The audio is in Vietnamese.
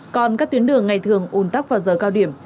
còn các tuyến đường ngày thường ùn tắc vào giờ cao điểm